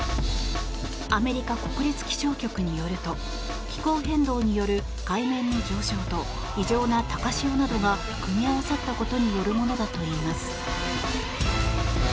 アメリカ国立気象局によると気候変動による海面の上昇と異常な高潮などが組み合わさったことによるものだといいます。